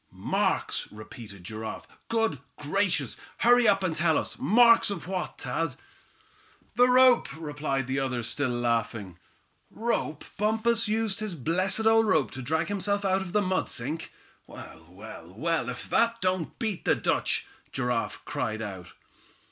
"Marks!" repeated Giraffe. "Good gracious! hurry up and tell us. Marks of what, Thad?" "The rope!" replied the other, still laughing. "Rope! Bumpus used his blessed old rope to drag himself out of the mud sink! Well, well, well, if that don't beat the Dutch," Giraffe cried out.